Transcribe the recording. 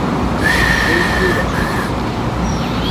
Qu’ei pro d’açò.